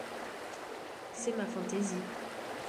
C’est ma fantaisie.